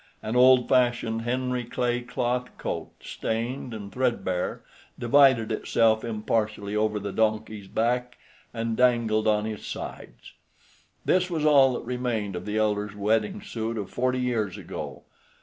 An old fashioned Henry Clay cloth coat, stained and threadbare, divided itself impartially over the donkey's back and dangled on his sides. This was all that remained of the elder's wedding suit of forty years ago.